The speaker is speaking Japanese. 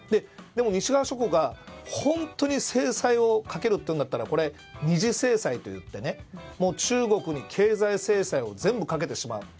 でも西側諸国が本当に制裁をかけるというなら２次制裁といって中国に経済制裁を全部かけてしまう。